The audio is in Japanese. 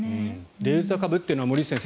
デルタ型というのは森内先生